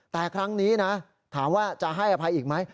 แต่ครั้งนี้นะถามว่าจะให้อภัยอีกไหม